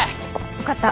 分かった。